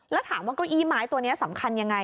แล้วถามว่าเก้าอี้ไม้ตัวนี้สำคัญยังไง